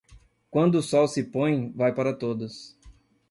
Quando o sol se põe, vai para todos.